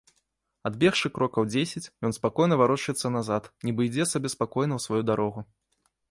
Адбегшы крокаў дзесяць, ён спакойна варочаецца назад, нібы ідзе сабе спакойна ў сваю дарогу.